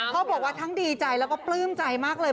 เขาบอกว่าทั้งดีใจแล้วก็ปลื้มใจมากเลย